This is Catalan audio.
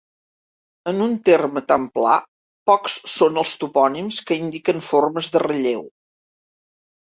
En un terme tan pla, pocs són els topònims que indiquen formes de relleu.